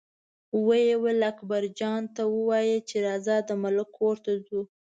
ویل یې اکبرجان ته ووایه چې راځه د ملک کور ته ځو.